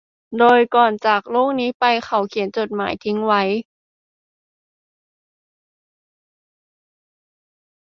โดยก่อนจะจากโลกนี้ไปเขาเขียนจดหมายทิ้งไว้